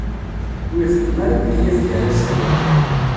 Ur ixeddem ara maḥyaf gar-asen